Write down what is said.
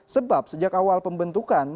sebab sejak awal pembentukan